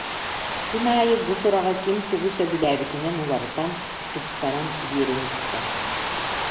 Күн аайы бу сураҕы ким тугу сөбүлээбитинэн уларытан, тупсаран биэрэн истэ